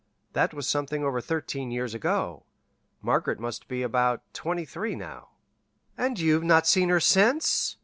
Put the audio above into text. That was something over thirteen years ago. Margaret must be about twenty three now." "And you've not seen her since?"